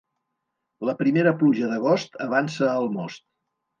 La primera pluja d'agost avança el most.